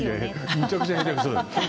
めちゃくちゃ下手くそです。